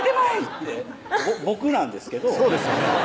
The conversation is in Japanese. って僕なんですけどそうですよね